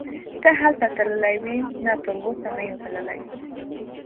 ته هلته تللی وې؟ نه تراوسه نه یم تللی.